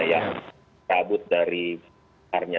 yang kabut dari karya